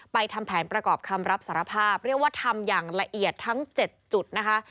ทำแผนประกอบคำรับสารภาพเรียกว่าทำอย่างละเอียดทั้ง๗จุดนะคะ